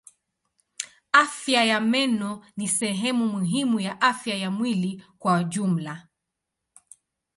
Afya ya meno ni sehemu muhimu ya afya ya mwili kwa jumla.